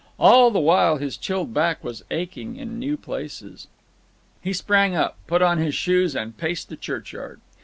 All the while his chilled back was aching in new places. He sprang up, put on his shoes, and paced the churchyard.